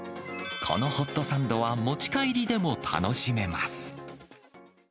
このホットサンドは、持ち帰りでも楽しめます。